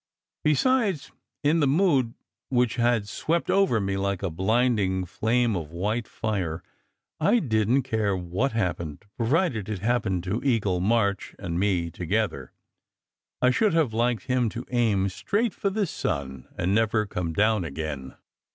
Besides, in the mood which had swept over me like a blinding flame of white fire, I didn t care what happened, provided it happened to Eagle March and me together. I should have liked him to aim straight for the sun, and never to come down again.